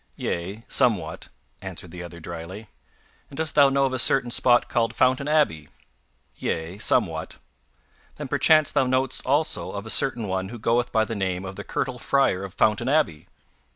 "Yea, somewhat," answered the other dryly. "And dost thou know of a certain spot called Fountain Abbey?" "Yea, somewhat." "Then perchance thou knowest also of a certain one who goeth by the name of the Curtal Friar of Fountain Abbey."